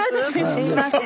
すいません。